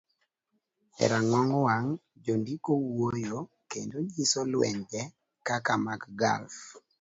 E rang'ong wang', jondiko wuoyo kendo nyiso lwenje kaka mag Gulf,